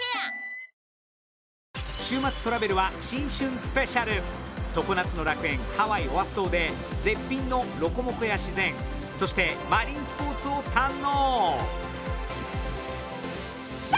スペシャル常夏の楽園ハワイ・オアフ島で絶品のロコモコや自然そしてマリンスポーツを堪能！